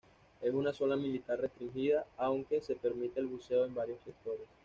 Es una zona militar restringida aunque se permite el buceo en varios sectores.